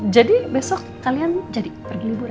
jadi besok kalian jadi pergi liburan